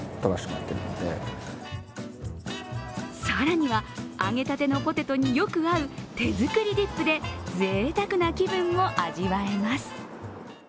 更には、揚げたてのポテトによく合う手作りディップでぜいたくな気分も味わえます。